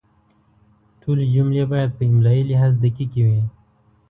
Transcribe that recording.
ټولې جملې باید په املایي لحاظ دقیقې وي.